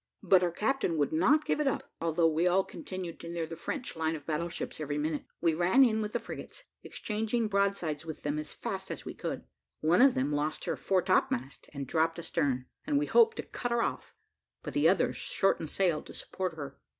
But our captain would not give it up, although we all continued to near the French line of battle ships every minute we ran in with the frigates, exchanging broadsides with them as fast as we could. One of them lost her fore topmast, and dropped astern, and we hoped to cut her off, but the others shortened sail to support her.